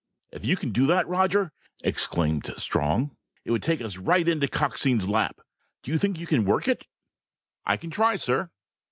"If you can do that, Roger," exclaimed Strong, "it would take us right into Coxine's lap! Do you think you can work it?" "I can try, sir."